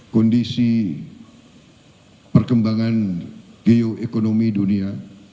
kondisi perkembangan geoekonomi dunia